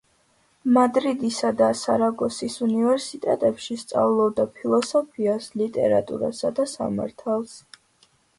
მადრიდისა და სარაგოსის უნივერსიტეტებში სწავლობდა ფილოსოფიას, ლიტერატურასა და სამართალს.